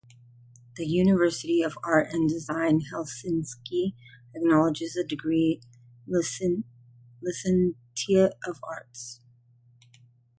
The University of Art and Design Helsinki acknowledges the degree Licentiate of Arts.